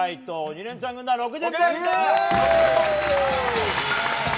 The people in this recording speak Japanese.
「鬼レンチャン」軍団６０ポイント！